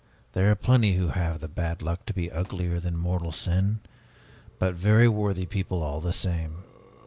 There are plenty who have the bad luck to be uglier than mortal sin, but very worthy people all the same.